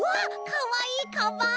かわいいかばん！